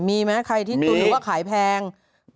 มีไหมใครที่ตุ๋นหรือว่าขายแพง